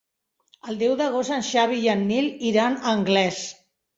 El deu d'agost en Xavi i en Nil iran a Anglès.